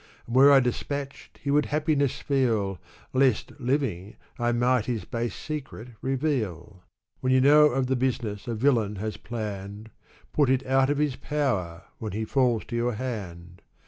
And were I despatched he would happiness feel. Lest, living, I might his base secret reveal. When you know of the business a villain has planned, Put it out of his power, when he falls to your hand.